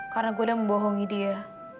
karena gue udah membohongi dia